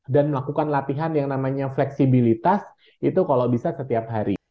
dan melakukan latihan yang namanya fleksibilitas itu kalau bisa setiap hari